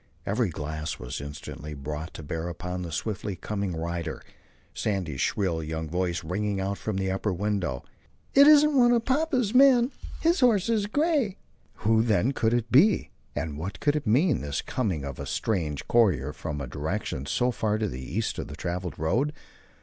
Every glass was instantly brought to bear upon the swiftly coming rider, Sandy's shrill young voice ringing out from the upper window. "It isn't one of papa's men. His horse is a gray!" Who then could it be? and what could it mean, this coming of a strange courier from a direction so far to the east of the travelled road?